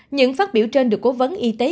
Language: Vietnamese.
những phát biểu trên được cố vấn y tế